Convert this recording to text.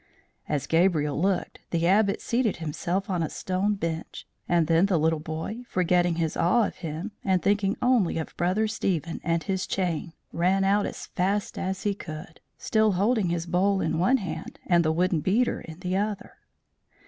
As Gabriel looked, the Abbot seated himself on a stone bench; and then the little boy, forgetting his awe of him, and thinking only of Brother Stephen and his chain ran out as fast as he could, still holding his bowl in one hand and the wooden beater in the other.